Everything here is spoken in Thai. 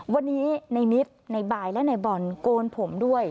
วันนี้ในนิดในบายและในบอลโกนผมด้วย